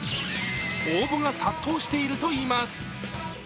応募が殺到しているといいます。